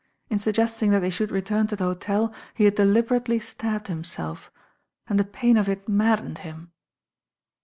In suggesting that they should return to the hotel he had deliberately stabbed himself, and the pain of it maddened him.